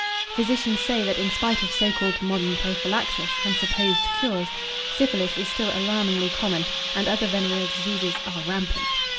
Physicians say that in spite of so called modern prophylaxis and supposed cures, syphilis is still alarmingly common, and other venereal diseases are rampant.